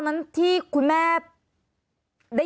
มันเป็นอาหารของพระราชา